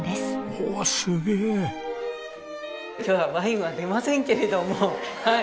ほうすげえ！今日はワインは出ませんけれどもはい。